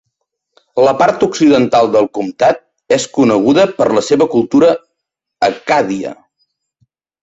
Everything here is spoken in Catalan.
La part occidental del comtat és coneguda per la seva cultura accàdia.